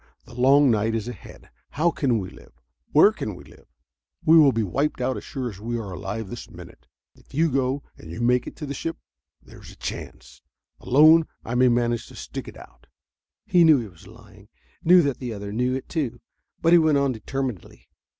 The long night is ahead. How can we live? Where can we live? We will be wiped out as sure as we're alive this minute. "If you go and if you make it to the ship there's a chance. Alone, I may manage to stick it out." He knew he was lying, knew that the other knew it too, but he went on determinedly.